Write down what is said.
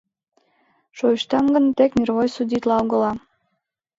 Шойыштам гын, тек мировой судитла огыла.